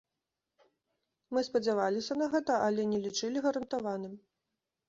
Мы спадзяваліся на гэта, але не лічылі гарантаваным.